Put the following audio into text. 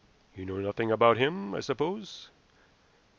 You know nothing about him, I suppose?"